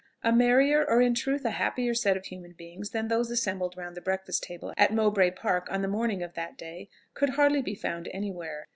A merrier, or in truth a happier set of human beings, than those assembled round the breakfast table at Mowbray Park on the morning of that day, could hardly be found anywhere.